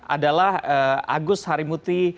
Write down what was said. adalah agus harimuti